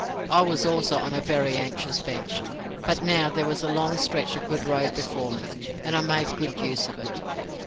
I also was on a very anxious bench. But now there was a long stretch of good road before me, and I made good use of it.